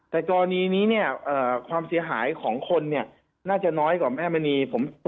แต่ตอนนี้ความเสียหายของคนน่าจะน้อยกว่าแม่มณี